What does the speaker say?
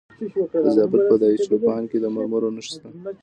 د زابل په دایچوپان کې د مرمرو نښې شته.